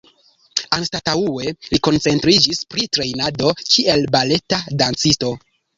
Anstataŭe li koncentriĝis pri trejnado kiel baleta dancisto.